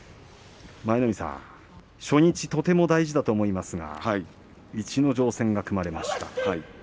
舞の海さん、初日とても大事だと思いますが逸ノ城戦が組まれました。